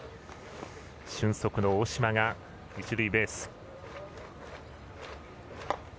俊足の大島が一塁ベース。